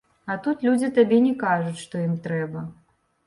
А тут людзі табе не кажуць, што ім трэба.